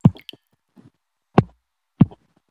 ده ویل، نه پوهېږم.